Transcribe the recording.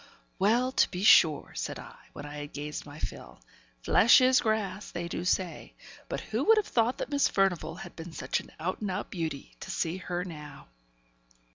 'Well, to be sure!' said I, when I had gazed my fill. 'Flesh is grass, they do say; but who would have thought that Miss Furnivall had been such an out and out beauty, to see her now.'